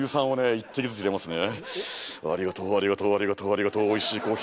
１滴ずつ入れますね